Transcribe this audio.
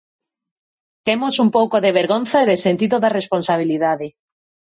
Temos un pouco de vergonza e de sentido da responsabilidade.